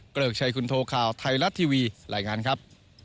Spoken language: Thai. เกริกชัยคุณโทข่าวไทยรัฐทีวีรายงานครับ